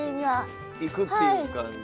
はい。